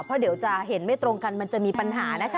เพราะเดี๋ยวจะเห็นไม่ตรงกันมันจะมีปัญหานะคะ